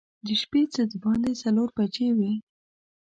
د شپې څه باندې څلور بجې وې.